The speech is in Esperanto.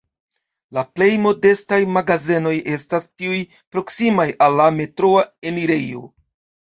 La plej modestaj magazenoj estas tiuj proksimaj al la metroa enirejo.